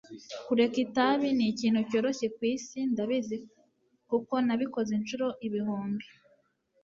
Kureka itabi nikintu cyoroshye kwisi Ndabizi kuko nabikoze inshuro ibihumbi